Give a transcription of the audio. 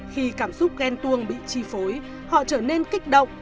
khi cảm xúc ghen tuông bị chi phối họ trở nên kích động